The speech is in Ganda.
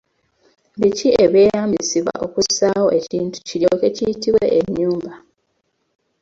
Biki ebyeyambisibwa okussaawo ekintu kiryoke kiyitibwe ennyumba?